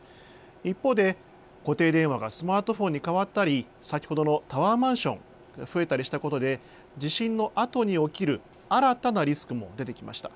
一方で固定電話がスマートフォンに変わったり先ほどのタワーマンションが増えたりしたことで地震のあとに起きる新たなリスクも出てきました。